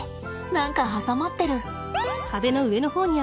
何か挟まってる。